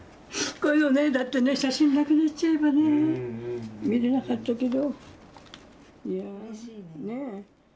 こういうのね、だってね、写真なくなっちゃえば見れなかったけど。